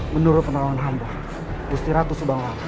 menurut penerawang hamba